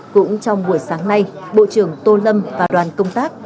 cũng trong buổi sáng nay bộ trưởng tô lâm và đoàn công tác